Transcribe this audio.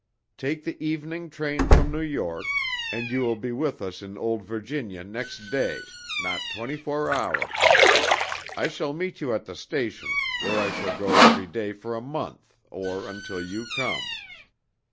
Take the evening train from New York, and you will be with us in old Virginia next day, not twenty four hours. I shall meet you at the station, where I shall go every day for a month, or until you come.